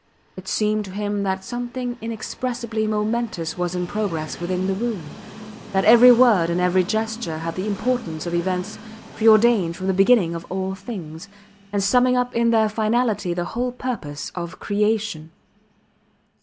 It seemed to him that something inexpressibly momentous was in progress within the room, that every word and every gesture had the importance of events preordained from the beginning of all things, and summing up in their finality the whole purpose of creation.